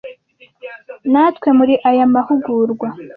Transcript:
natwe muri aya mahugurwa.